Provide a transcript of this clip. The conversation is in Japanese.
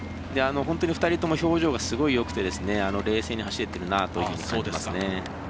２人とも表情がすごいよくて冷静に走れてるなと感じますね。